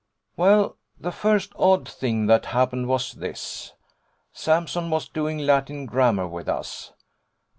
'Well, the first odd thing that happened was this. Sampson was doing Latin grammar with us.